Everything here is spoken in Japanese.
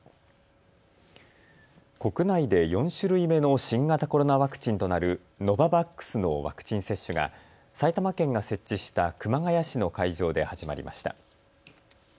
国内で４種類目の新型コロナワクチンとなる、ノババックスのワクチン接種が埼玉県が設置した熊谷市の会場で始まりました。